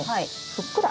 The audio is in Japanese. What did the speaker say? ふっくら。